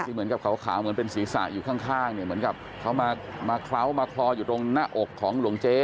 เหมือนกับขาวเหมือนเป็นศีรษะอยู่ข้างเนี่ยเหมือนกับเขามาเคล้ามาคลออยู่ตรงหน้าอกของหลวงเจ๊